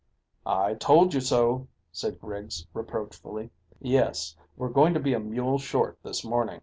"I told you so," said Griggs reproachfully. "Yes, we're going to be a mule short this morning."